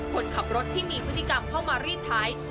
คนขับรถที่มีพฤติกรรมเข้ามารีดท้าย